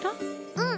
うん。